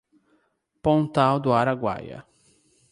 Pontal do Araguaia